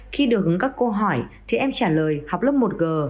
khi được ứng các câu hỏi thì em trả lời học lớp một g